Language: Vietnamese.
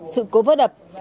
sự cố vỡ đập